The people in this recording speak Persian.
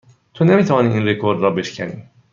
تو نمی توانی این رکورد را بشکنی.